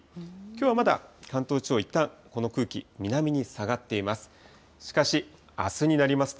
きょうはまだ関東地方、いったん、この空気、南に下がっています。